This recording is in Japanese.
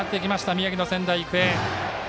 宮城の仙台育英。